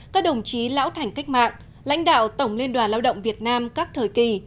các đồng chí lão thành cách mạng lãnh đạo tổng liên đoàn lao động việt nam các thời kỳ